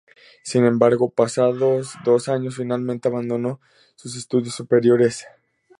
Sin embargo, pasados dos años, finalmente abandonó sus estudios superiores.